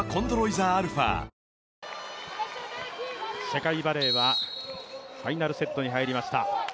世界バレーはファイナルセットに入りました。